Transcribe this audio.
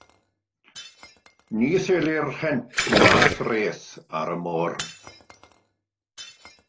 Ni thelir rhent na threth ar y môr.